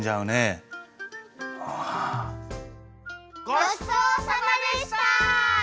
ごちそうさまでした！